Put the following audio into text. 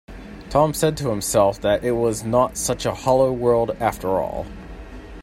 Tom said to himself that it was not such a hollow world, after all.